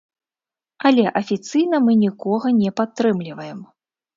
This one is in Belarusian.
Але афіцыйна мы нікога не падтрымліваем.